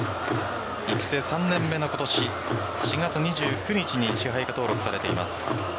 育成３年目の今年４月２９日に支配下登録されています。